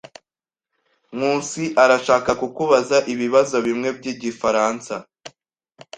Nkusi arashaka kukubaza ibibazo bimwe byigifaransa.